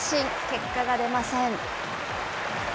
結果が出ません。